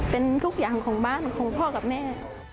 เป็นทุกอย่างของบ้านของพ่อกับแม่